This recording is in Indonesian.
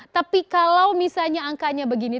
tapi kalau misalnya angkanya begini